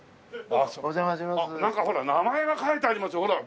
あっなんかほら名前が書いてありますよほら。